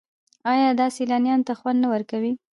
آیا دا سیلانیانو ته خوند نه ورکوي؟